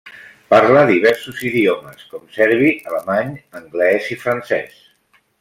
Parla diversos idiomes com serbi, alemany, anglès i francès.